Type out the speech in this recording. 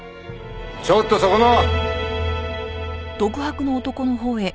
ちょっとそこの！